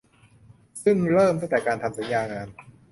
ซึ่งเริ่มตั้งแต่การทำสัญญางาน